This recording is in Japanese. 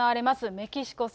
メキシコ戦。